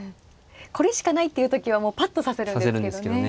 これしかないっていう時はもうぱっと指せるんですけどね。